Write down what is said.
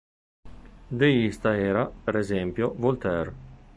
Deista era, per esempio, Voltaire.